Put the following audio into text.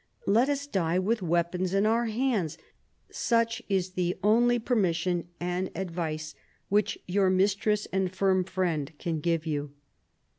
"Let us die with weapons in our hands. Such is the only permission and advice that your mistress and firm friend can give you."